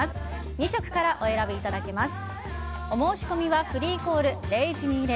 ２色からお選びいただけます。